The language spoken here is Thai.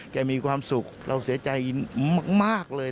มีความสุขเราเสียใจมากเลย